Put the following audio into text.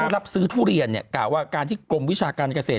รับซื้อทุเรียนเนี่ยกล่าวว่าการที่กรมวิชาการเกษตร